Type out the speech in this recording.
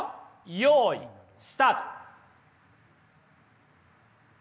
よいスタート！